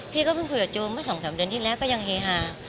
พี่ก็เพิ่งคุยกับโจมเมื่อ๒๓เดือนที่แล้วก็ยังเฮฮา